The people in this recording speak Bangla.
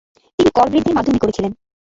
তিনি কর বৃদ্ধির মাধ্যমে করেছিলেন।